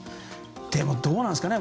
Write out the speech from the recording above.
でも、どうなんですかね。